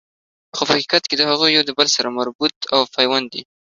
خو په حقیقت کی هغوی یو د بل سره مربوط او پیوند دي